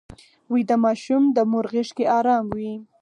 ویده ماشوم د مور غېږ کې ارام وي